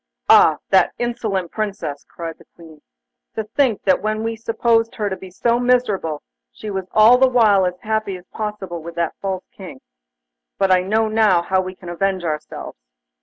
'Ah! that insolent Princess!' cried the Queen. 'To think that when we supposed her to be so miserable, she was all the while as happy as possible with that false King. But I know how we can avenge ourselves!